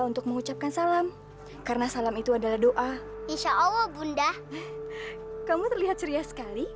untuk mengucapkan salam karena salam itu adalah doa insya allah bunda kamu terlihat ceria sekali